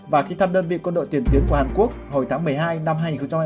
và khi thăm đơn vị quân đội tiền tuyến của hàn quốc hồi tháng một mươi hai năm hai nghìn hai mươi hai